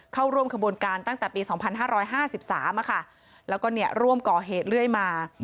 เข้าร่วมขบวนการตั้งแต่ปี๒๕๕๓แล้วก็ร่วมก่อเหตุเรื่อยมา